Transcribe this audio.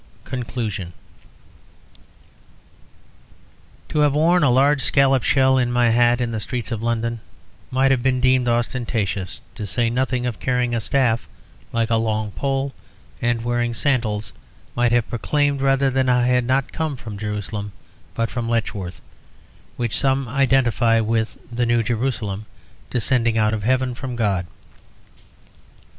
CONCLUSION To have worn a large scallop shell in my hat in the streets of London might have been deemed ostentatious, to say nothing of carrying a staff like a long pole; and wearing sandals might have proclaimed rather that I had not come from Jerusalem but from Letchworth, which some identify with the New Jerusalem descending out of heaven from God.